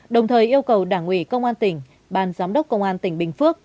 đồng thời yêu cầu đảng ủy công an tỉnh ban giám đốc công an tỉnh bình phước